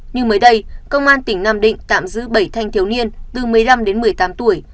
như mới đây công an tỉnh nam định tạm giữ bảy thanh thiếu niên từ một mươi năm đến một mươi tám tuổi